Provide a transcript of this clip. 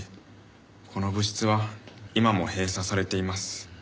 この部室は今も閉鎖されています。